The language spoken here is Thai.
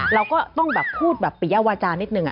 เราก็ต้องแบบพูดแบบปิยาวาจานิดนึง